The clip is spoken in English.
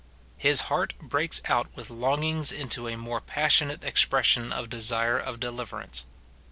His heart breaks out with longings into a more passionate expression of desire of deliverance.